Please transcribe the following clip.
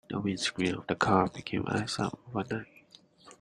The windscreen of the car became iced up overnight.